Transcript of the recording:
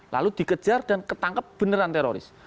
lalu dikejar dan ketangkep beneran teroris